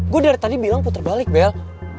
gue dari tadi bilang putar balik bel